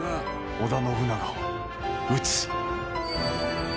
織田信長を討つ。